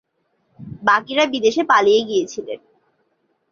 বাকিরা বিদেশে পালিয়ে গিয়েছিলেন।